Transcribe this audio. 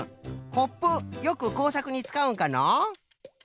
コップよくこうさくにつかうんかの？